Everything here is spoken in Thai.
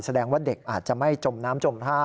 แสดงว่าเด็กอาจจะไม่จมน้ำจมท่า